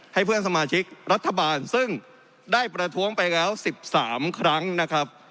ให้เพื่อนสมาชิกรัฐบาลซึ่งได้ประท้วงไปแล้ว๑๓ครั้งนะครับ